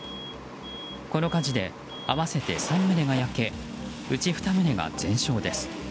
この火事で合わせて３棟が焼けうち２棟が全焼です。